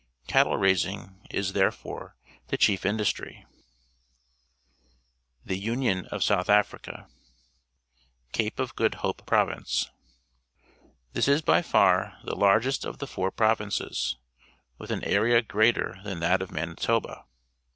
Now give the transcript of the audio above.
Cattle raising is, therefore, the chief industry. tA/^> THE UNION OF SOUTH AFRICA ^ Cape of Good Hope Province. — This is by ar the largest of the four provinces, with an area greater than that of Manitoba.